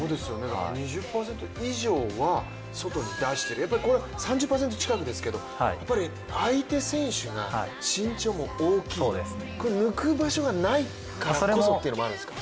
２０％以上は外に出して、３０％近くですけど、相手選手が身長も大きい、抜く場所がないからこそというのもあるんですか？